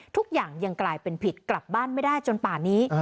ทุกอย่างยังกลายเป็นผิดกลับบ้านไม่ได้จนป่านนี้